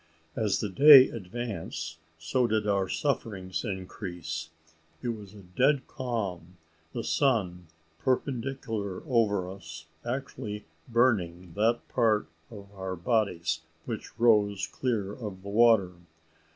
As the day advanced, so did our sufferings increase. It was a dead calm, the sun perpendicular over us, actually burning that part of our bodies which rose clear of the water.